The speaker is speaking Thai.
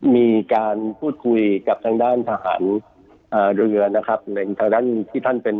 มีการพูดคุยกับทางด้านทหารเรือนะครับในทางด้านที่ท่านเป็น